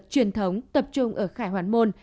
truyền thống tập trung ở khải hoàn môn